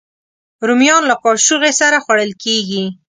رومیان له کاچوغې سره خوړل کېږي